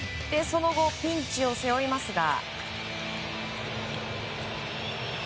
その後ピンチを背負いますが。